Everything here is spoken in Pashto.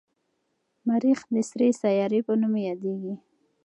مریخ د سرې سیارې په نوم یادیږي.